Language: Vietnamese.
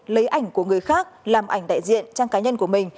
lấy ảnh của người khác làm ảnh đại diện trang cá nhân của mình